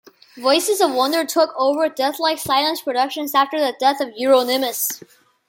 Voices of Wonder took over Deathlike Silence Productions after the death of Euronymous.